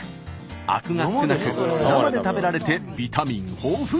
あくが少なく生で食べられてビタミン豊富。